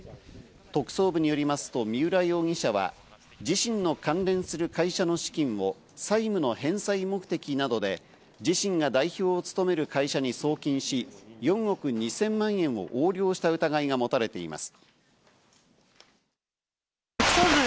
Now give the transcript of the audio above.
特捜部によりますと、三浦容疑者は自身の関連する会社の資金を債務の返済目的などで自身が代表を務める会社に送金し、４億２０００万円を横領した疑いが持たれています。